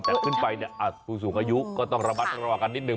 แต่ว่าถึงไปเนี่ยสูงอายุก็ต้องระวังกันนิดนึง